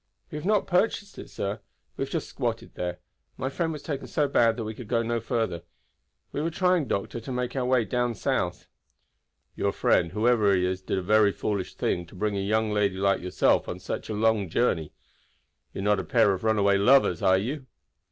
"We have not purchased it, sir; we have just squatted there. My friend was taken so bad that we could go no further. We were trying, doctor, to make our way down south." "Your friend, whoever he is, did a very foolish thing to bring a young lady like yourself on such a long journey. You are not a pair of runaway lovers, are you?"